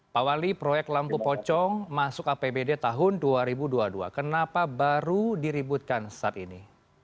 pak wali proyek lampu pocong masuk apbd tahun dua ribu dua puluh dua kenapa baru diributkan saat ini